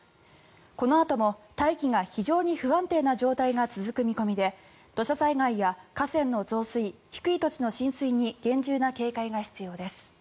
このあとも大気が非常に不安定な状態が続く見込みで土砂災害や河川の増水低い土地の浸水に厳重な警戒が必要です。